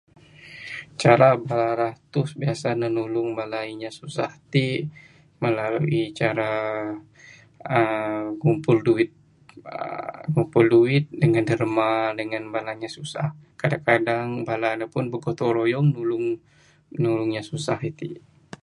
Cara bala ratus biasa ne nulung bala inya susah ti, melalui cara, [uhh]..ngumpul duit, uhh, ngumpul duit dengan derma dengan bala nya susah. Kadang kadang bala ne pun bergotong royong nulung, nulung inya susah iti.